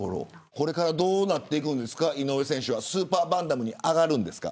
これからどうなっていくんですか井上選手はスーパーバンタムに上がるんですか。